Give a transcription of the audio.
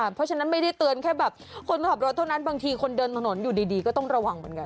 เพราะฉะนั้นไม่ได้เตือนแค่แบบคนขับรถเท่านั้นบางทีคนเดินถนนอยู่ดีก็ต้องระวังเหมือนกัน